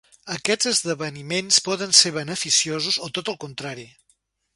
Aquests esdeveniments poden ser beneficiosos o tot al contrari.